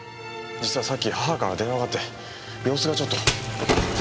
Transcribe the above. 実はさっき母から電話があって様子がちょっと。